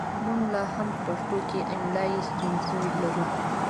موږ لا هم په پښتو کې املايي ستونزې لرو